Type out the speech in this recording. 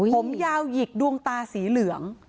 ผมยาวหยิกดวงตาสีเหลือง